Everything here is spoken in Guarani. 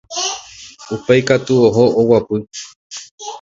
Upéi katu oho oguapy